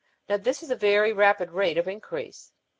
Now this is a very rapid rate of increase.